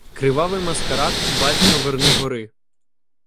Кривавий маскарад "батька Вернигори"